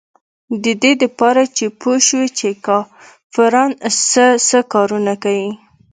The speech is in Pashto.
د دې دپاره چې پوې شي چې کافران سه سه کارونه کيي.